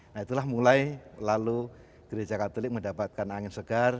nah itulah mulai lalu gereja katelik mendapatkan angin segar